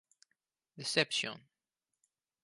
Deception!